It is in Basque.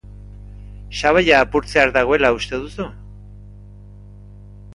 Sabaia apurtzear dagoela uste duzu?